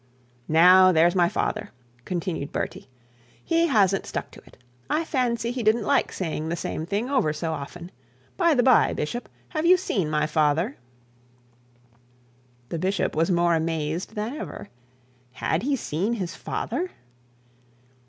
'Now, there's my father,' continued Bertie; 'he hasn't stuck to it. I fancy he didn't like saying the same thing so often. By the bye, bishop, have you seen my father?' The bishop was more amazed than ever. Had he seen his father?